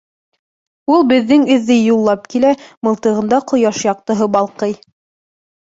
— Ул беҙҙең эҙҙе юллап килә, мылтығында ҡояш яҡтыһы балҡый.